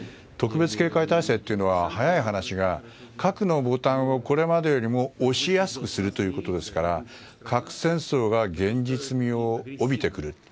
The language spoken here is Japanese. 特別警戒態勢というのは早い話が核のボタンをこれまでよりも押しやすくするということですから核戦争が現実味を帯びてくる。